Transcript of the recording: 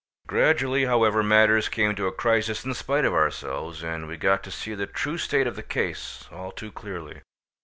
Gradually, however, matters came to a crisis in spite of ourselves, and we got to see the true state of the case, all too clearly.